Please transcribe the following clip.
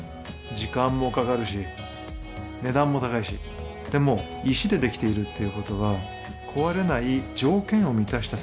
時間もかかるし値段も高いしでも石でできているっていうことは壊れない条件を満たした